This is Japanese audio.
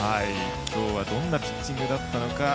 今日はどんなピッチングだったのか。